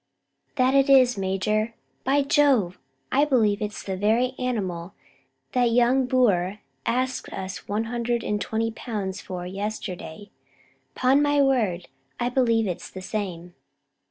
"That it is, major. By Jove, I believe it's the very animal that young Boer asked us one hundred and twenty pounds for yesterday; 'pon my word, I believe it's the same."